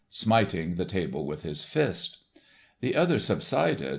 smiting the table with his fist. The other subsided.